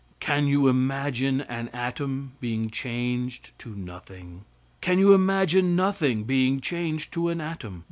Can you imagine an atom being changed to nothing? Can you imagine nothing being changed to an atom?